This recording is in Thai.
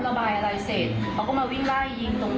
เสร็จแล้วเขาก็เดินเช็คเกิดประตูเข้าไปในห้อง